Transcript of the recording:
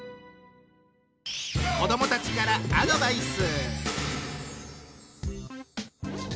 子どもたちからアドバイス！